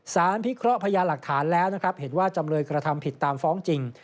พิเคราะห์พยานหลักฐานแล้วนะครับเห็นว่าจำเลยกระทำผิดตามฟ้องจริง